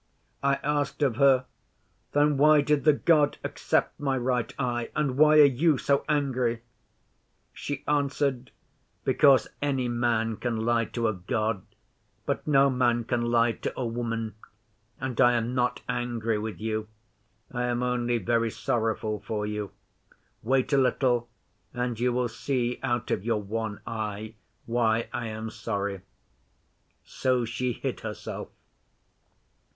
I asked of her, "Then why did the God accept my right eye, and why are you so angry?" She answered, "Because any man can lie to a God, but no man can lie to a woman. And I am not angry with you. I am only very sorrowful for you. Wait a little, and you will see out of your one eye why I am sorry." So she hid herself.